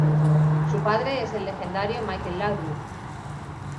Su padre es el legendario Michael Laudrup.